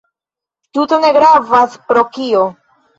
Tute ne gravas, pro kio.